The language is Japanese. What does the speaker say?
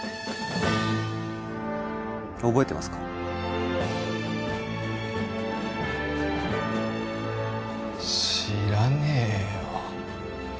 覚えてますか知らねえよ